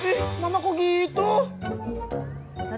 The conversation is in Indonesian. berarti kamu udah ga mau beli motor